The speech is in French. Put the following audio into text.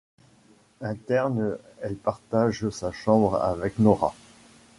Interne, elle partage sa chambre avec Nóra.